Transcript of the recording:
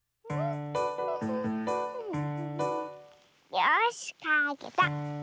よしかけた！